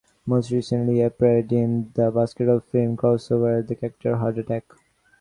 Most recently, he appeared in the basketball film "Crossover" as the character, Heart Attack.